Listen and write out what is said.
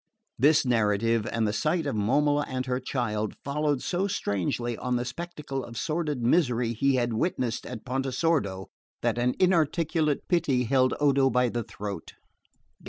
This narrative, and the sight of Momola and her child, followed so strangely on the spectacle of sordid misery he had witnessed at Pontesordo, that an inarticulate pity held Odo by the throat.